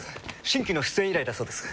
新規の出演依頼だそうです。